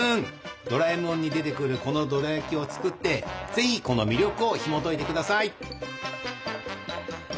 ドラえもんに出てくるこのドラやきを作ってぜひこの魅力をひもといて下さい！